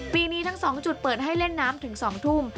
ปีนี้ทั้ง๒จุดเปิดให้เล่นน้ำถึง๒ทุ่ม